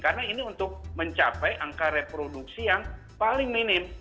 karena ini untuk mencapai angka reproduksi yang paling minim